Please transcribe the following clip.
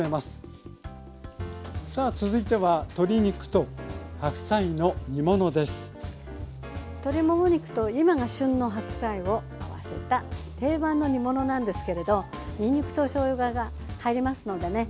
さあ続いては鶏もも肉と今が旬の白菜を合わせた定番の煮物なんですけれどにんにくとしょうがが入りますのでね